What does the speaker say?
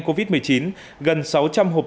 covid một mươi chín gần sáu trăm linh hộp